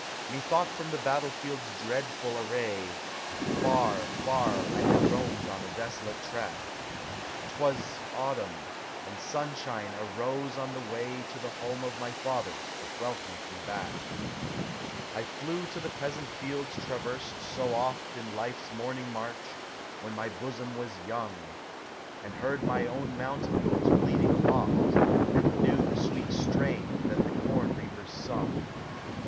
Methought from the battle field's dreadful array. Far, far I had roamed on a desolate track: T was autumn, — and sunshine arose on the way To the home of my fathers, that welcomed me back. I flew to the pleasant fields traversed so oft In life's morning march, when my bosom was young ; Digitiz THE HOME. 281 I heard my own mountain goats bloating aloft, And knew the sweet strain that the com reap ers sung.